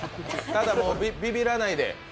ただ、ビビらないで。